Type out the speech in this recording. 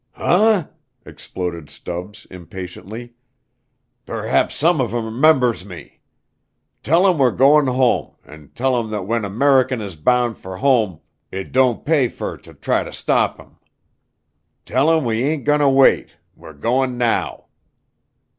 "Huh?" exploded Stubbs, impatiently; "perhaps some of 'em 'members me. Tell 'em we're goin' home, an' tell 'em thet when a 'Merican is bound fer home it don't pay fer ter try ter stop him. Tell 'em we ain't goneter wait we're goin' now."